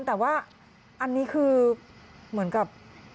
แต่ว่าอันนี้คือเหมือนกับ